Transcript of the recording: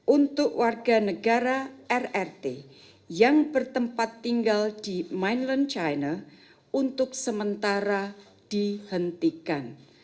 untuk warga negara rrt yang bertempat tinggal di mainland china untuk sementara dihentikan